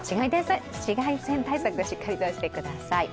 紫外線対策、しっかりとしてください。